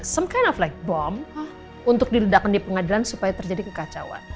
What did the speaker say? smcana flag bom untuk diledakkan di pengadilan supaya terjadi kekacauan